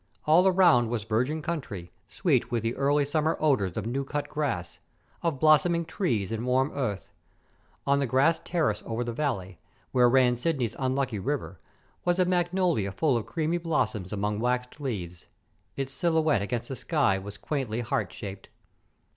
All around was virgin country, sweet with early summer odors of new cut grass, of blossoming trees and warm earth. On the grass terrace over the valley, where ran Sidney's unlucky river, was a magnolia full of creamy blossoms among waxed leaves. Its silhouette against the sky was quaintly heart shaped.